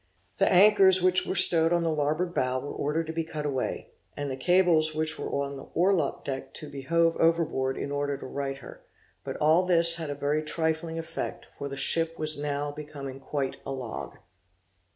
The anchors which were stowed on the larboard bow were ordered to be cut away, and the cables which were on the orlop deck to be hove overboard in order to right her; but all this had a very trifling effect, for the ship was now become quite a log.